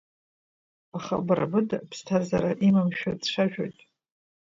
Аха бара быда ԥсҭазаара имамшәа дцәажәоит.